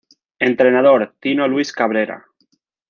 Entrenador: Tino Luis Cabrera.